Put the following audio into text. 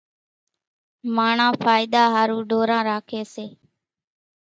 ماڻۿان ڦائۮا ۿارُو ڍوران راکيَ سي۔